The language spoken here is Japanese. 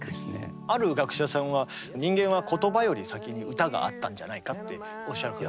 ある学者さんは人間は言葉より先に歌があったんじゃないかっておっしゃる方も。